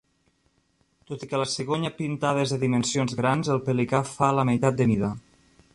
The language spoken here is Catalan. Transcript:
Tot i que la cigonya pintada és de dimensions grans, el pelicà fa la meitat de mida.